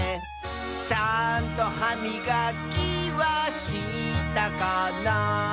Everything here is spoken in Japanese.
「ちゃんとはみがきはしたかな」